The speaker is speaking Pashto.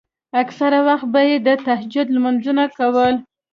اکثره وخت به يې د تهجد لمونځونه کول.